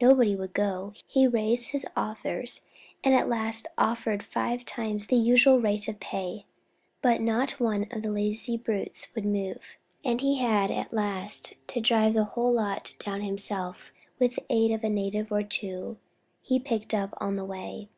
Nobody would go; he raised his offers, and at last offered five times the usual rate of pay, but not one of the lazy brutes would move, and he had at last to drive the whole lot down himself, with the aid of a native or two he picked up on the way.